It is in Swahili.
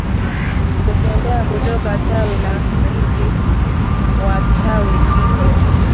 kutembea kutoka tawi la mti na tawi mti